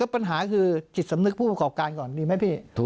ปัญหาคือจิตสำนึกผู้ประกอบการก่อนดีไหมพี่